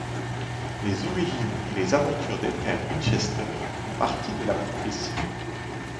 Les origines et les aventures des frères Winchester font partie de la prophétie.